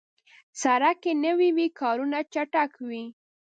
سړک که نوي وي، کارونه چټک وي.